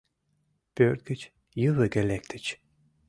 Пӧрт гыч ювыге лектыч.